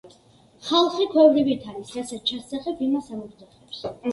ხალხი ქვევრივით არის, რასაც ჩასძახებ, იმას ამოგძახებს